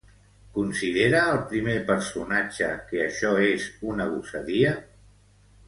Considera el primer personatge que això és una gosadia?